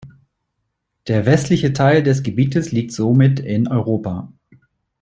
Der westliche Teil des Gebietes liegt somit in Europa.